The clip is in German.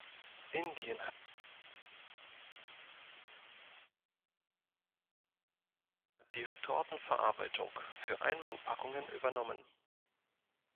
Indien hat die Retortenverarbeitung für Einmannpackungen übernommen.